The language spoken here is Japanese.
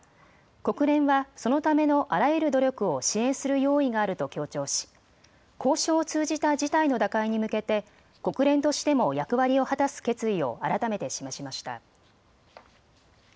国連はそのためのあらゆる努力を支援する用意があると強調し交渉を通じた事態の打開に向けて国連としても役割を果たす決意を改めて示しました。